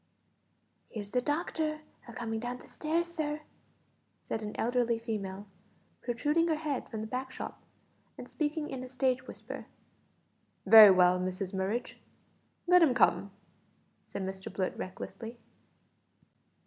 "Here's the doctor a comin' down stairs, sir," said an elderly female, protruding her head from the back shop, and speaking in a stage whisper. "Very well, Mrs Murridge, let him come," said Mr Blurt recklessly.